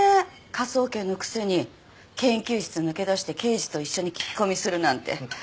科捜研のくせに研究室抜け出して刑事と一緒に聞き込みするなんて。